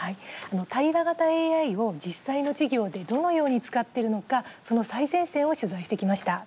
対話型ＡＩを実際の授業でどのように使っているのかその最前線を取材してきました。